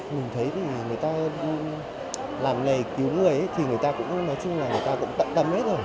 mình thấy thì người ta làm nghề cứu người thì người ta cũng nói chung là người ta cũng tận tâm hết rồi